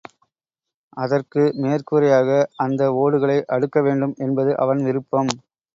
அதற்கு மேற்கூரையாக அந்த ஓடுகளை அடுக்க வேண்டும் என்பது அவன் விருப்பம்.